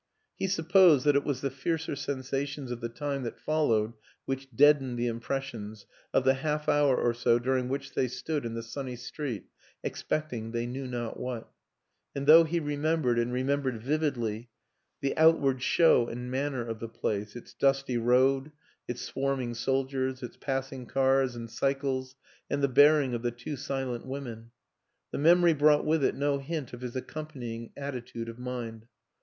He supposed that it was the fiercer sensations of the time that followed which deadened the impressions of the half hour or so during which they stood in the sunny street expecting they knew not what; and though he remembered, and remembered vividly, the out ward show and manner of the place its dusty road, its swarming soldiers, its passing cars and cycles and the bearing of the two silent women the memory brought with it no hint of his ac companying attitude of mind.